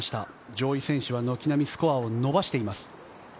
上位選手は軒並みスコアを伸ばしています。